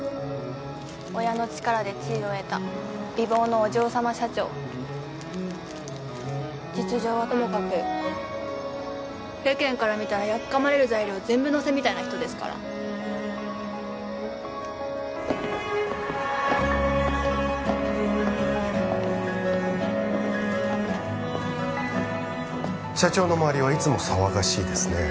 親の力で地位を得た美貌のお嬢様社長実情はともかく世間から見たらやっかまれる材料全部乗せみたいな人ですから社長の周りはいつも騒がしいですね